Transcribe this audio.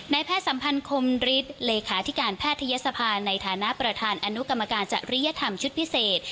แพทย์สัมพันธ์คมฤทธิ์เลขาธิการแพทยศภาในฐานะประธานอนุกรรมการจริยธรรมชุดพิเศษ